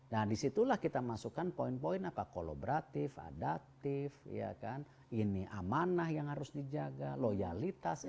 nah disitulah kita masukkan poin poin apakah kolaboratif adaptif ini amanah yang harus dijaga loyalitas